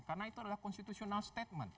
karena itu adalah konstitusional statement